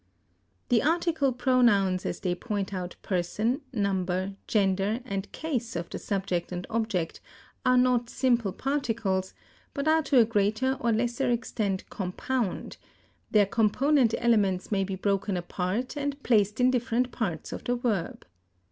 The article pronouns as they point out person, number, gender, and case of the subject and object, are not simple particles, but are to a greater or lesser extent compound; their component elements may be broken apart and placed in different parts of the verb.